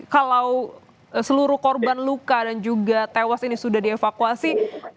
kalau seluruh korban luka dan juga tewas ini sudah dievakuasi